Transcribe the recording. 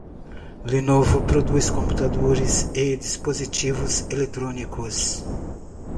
Lenovo produz computadores e dispositivos eletrônicos.